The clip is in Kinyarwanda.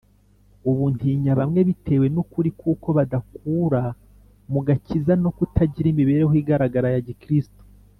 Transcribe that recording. Ubu ntinya bamwe, bitewe n'ukuri k'uko badakura mu gakiza no kutagira imibereho igaragara ya Gikristo,